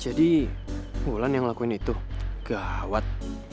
jadi wulan yang ngelakuin itu gawat